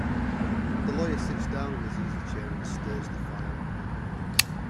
The lawyer sits down in his easy-chair and stirs the fire.